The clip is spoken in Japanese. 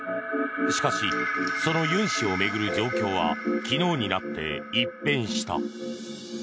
しかし、そのユン氏を巡る状況は昨日になって一変した。